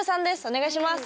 お願いします。